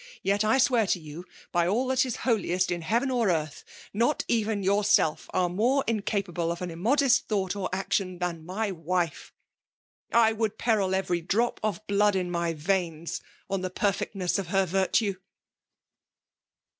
Yet I swear to you, by all that is holiest in * heaven or earth, not even yourself are more incapable of an immodest thought or action. thiax' lay wife. . I woidd )peril every drop of blood ia my veiDs on the perfisctnete of her virtile.